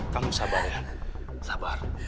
kamu sabar ya sabar